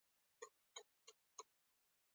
ایا زه باید صبر وکړم؟